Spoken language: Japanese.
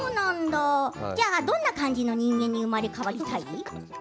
じゃあどんな感じの人間に生まれ変わりたい？